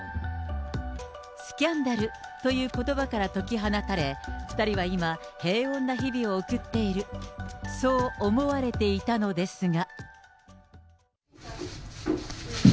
スキャンダルということばから解き放たれ、２人は今、平穏な日々を送っている、そう思われていたのですが。